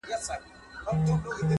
له خوښیو ټول کشمیر را سره خاندي,